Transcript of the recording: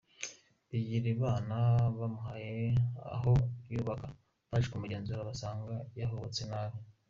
Bigirimana bamuhaye aho yubaka, baje kumugenzura bagasanga yahubatse nabi.